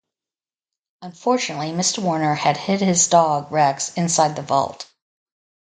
Unfortunately, Mr. Warner had hid his dog Rex inside the vault.